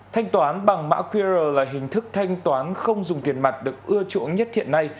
thanh toán bằng mã qr là hình thức thanh toán không dùng tiền mặt được ưa chuộng nhất hiện nay